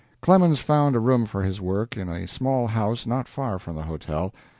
Clemens found a room for his work in a small house not far from the hotel.